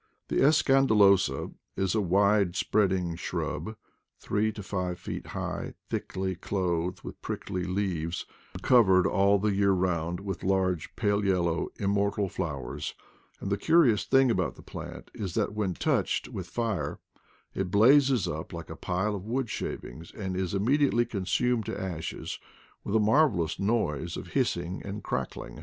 The Escandalosa is a wide spreading shrub, three to five feet high, thickly clothed with prickly leaves, and covered all the year round with large pale yellow immortal flowers; and the curious thing about the plant is that when touched with fire it blazes up like a pile of wood shavings, and is immediately consumed to ashes with a mar velous noise of hissing and crackling.